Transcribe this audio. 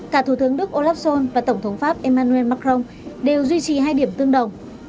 cả thủ tướng đức olaf schol và tổng thống pháp emmanuel macron đều duy trì hai điểm tương đồng